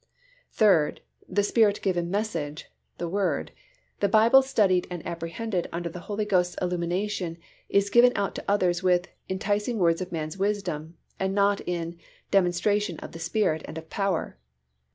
Third, The Spirit given message, the Word, the Bible studied and apprehended under the Holy Ghost's illumination is given out to others with "enticing words of man's wisdom," and not in "demonstration of the Spirit and of power."